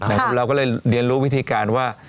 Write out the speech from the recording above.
เราก็เลยเรียนรู้วิธีการว่า